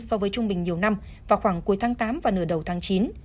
so với trung bình nhiều năm vào khoảng cuối tháng tám và nửa đầu tháng chín